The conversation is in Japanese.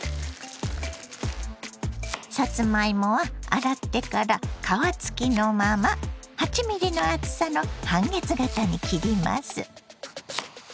さつまいもは洗ってから皮付きのまま８ｍｍの厚さの半月形に切ります。